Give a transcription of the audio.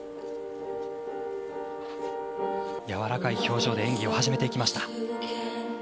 やわらかい表情で演技を始めていきました。